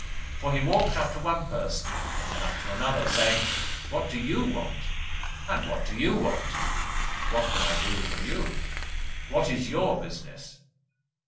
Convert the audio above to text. First he walked up to one person, and then up to another, saying: 'What do YOU want? And what do YOU want? What can I do for YOU? What is YOUR business?